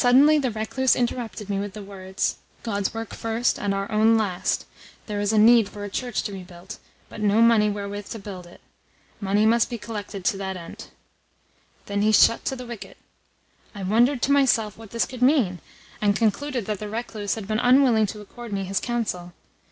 Suddenly the recluse interrupted me with the words: 'God's work first, and our own last. There is need for a church to be built, but no money wherewith to build it. Money must be collected to that end.' Then he shut to the wicket. I wondered to myself what this could mean, and concluded that the recluse had been unwilling to accord me his counsel.